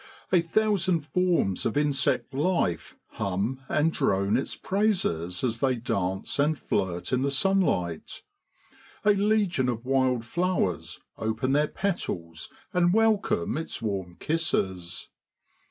A thousand forms of insect life hum and drone its praises as they dance and flirt in the sunlight; a legion of wild flowers open their petals and welcome its warm kisses.